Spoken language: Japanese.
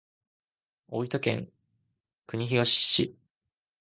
大分県国東市